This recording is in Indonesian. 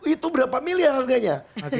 itu berapa miliar harganya